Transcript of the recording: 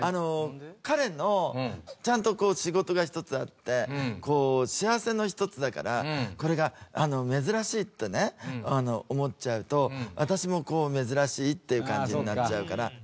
彼のちゃんと仕事が一つあって幸せの一つだからこれが珍しいってね思っちゃうと私もこう珍しいっていう感じになっちゃうから。